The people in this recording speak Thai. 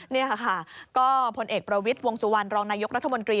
นี่ค่ะก็พลเอกประวิทย์วงสุวรรณรองนายกรัฐมนตรี